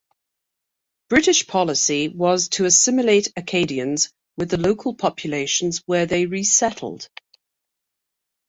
British policy was to assimilate Acadians with the local populations where they resettled.